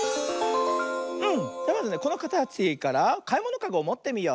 じゃまずねこのかたちからかいものかごをもってみよう。